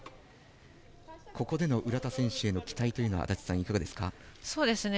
ここでの浦田選手への期待は安達さん、いかがですか？